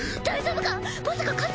大丈夫か？